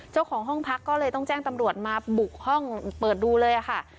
เจ้าของห้องพักก็เลยต้องแจ้งตำรวจมาบุกห้องเปิดดูเลยค่ะ